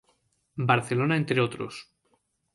Barcelona entre otros.